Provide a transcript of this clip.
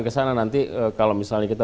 kesana nanti kalau misalnya kita